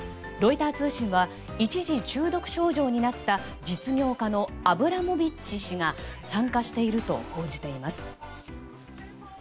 ロイター通信は一時、中毒症状になった実業家のアブラモビッチ氏が参加していると報じています。